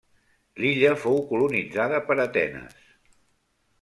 L'illa fou colonitzada per Atenes.